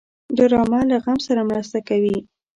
ډرامه له غم سره مرسته کوي